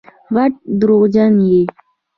غټ دروغجن یې